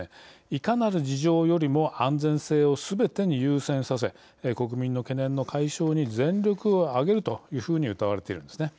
いかなる事情よりも安全性をすべてに優先させ国民の懸念の解消に全力を挙げるというふうにうたわれているんですね。